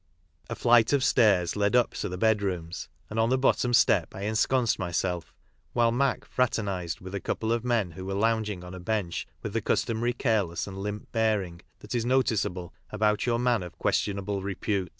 A flight of stairs led up to the bedrooms, and on the bottom step I ensconced myself, while Mac fraternised with a couple of men who were lounging on a bench with the customary careless and limp bearing ^ that is noticeable about your man of questionable repute.